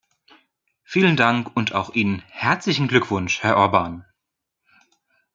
Vielen Dank und auch Ihnen herzlichen Glückwunsch, Herr Orban.